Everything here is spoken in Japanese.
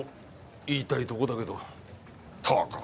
言いたいとこだけど